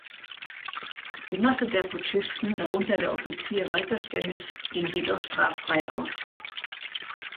Die Masse der Putschisten, darunter der Offizier Walther Stennes, ging jedoch straffrei aus.